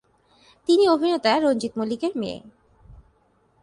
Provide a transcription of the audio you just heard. তিনি অভিনেতা রঞ্জিত মল্লিকের মেয়ে।